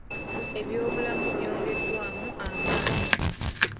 Ebyobulamu byongeddwamu amaanyi.